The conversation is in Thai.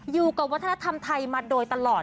อยู่กับวัฒนธรรมไทยมาโดยตลอด